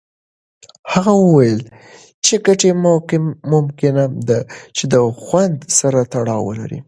هغه وویل چې ګټې ممکنه ده چې د خوند سره تړاو ولري.